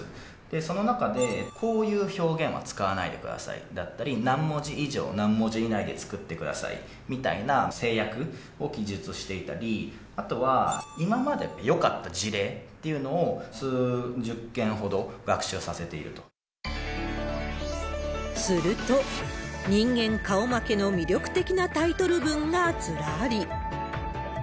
その中で、こういう表現は使わないでくださいだったり、何文字以上何文字以内で作ってくださいみたいな制約を記述していたり、あとは今までよかった事例っていうのを、数十件ほど学習させていすると、人間顔負けの魅力的なタイトル文がずらり。